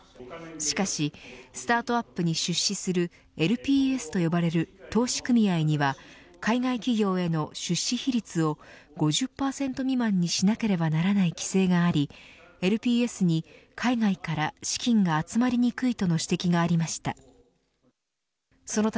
しかしスタートアップに出資するＬＰＳと呼ばれる投資組合には海外企業への出資比率を５０％未満にしなければならない規制がありＬＰＳに海外から資金が集まりにくいとの指摘がありました。